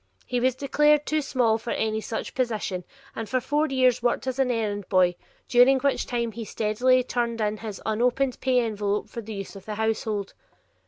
He was declared too small for any such position, and for four years worked as an errand boy, during which time he steadily turned in his unopened pay envelope for the use of the household.